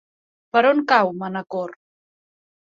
Per on cau Manacor?